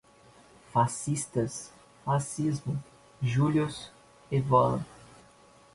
Fascistas, fascismo, Julius Evola